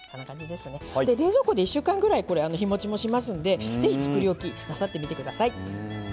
で冷蔵庫で１週間ぐらいこれ日もちもしますんで是非作り置きなさってみてください。